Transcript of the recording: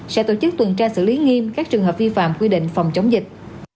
sẽ tổ chức tuần tra xử lý nghiêm các trường hợp vi phạm quy định phòng chống dịch